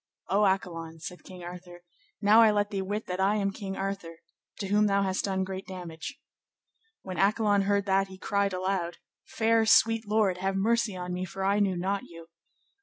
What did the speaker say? O Accolon, said King Arthur, now I let thee wit that I am King Arthur, to whom thou hast done great damage. When Accolon heard that he cried aloud, Fair, sweet lord, have mercy on me, for I knew not you.